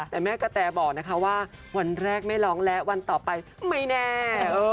แต่แม่กะแตบอกนะคะว่าวันแรกไม่ร้องและวันต่อไปไม่แน่